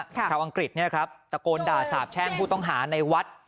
อังกฤษเนี่ยครับตะโกนด่าสาบแช่งผู้ต้องหาในวัด